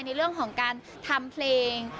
ในเรื่องของการทำเพลง